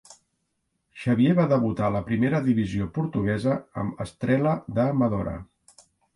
Xavier va debutar a la primera divisió portuguesa amb Estrela da Amadora.